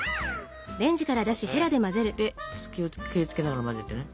で気を付けながら混ぜてね。